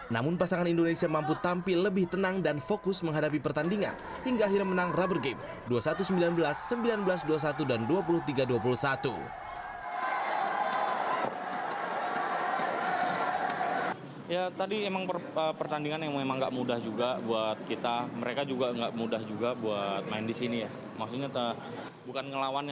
namun pasangan indonesia mampu tampil lebih tenang dan fokus menghadapi pertandingan hingga akhirnya menang rubber game dua ratus sembilan belas seribu sembilan ratus dua puluh satu dan dua ribu tiga ratus dua puluh satu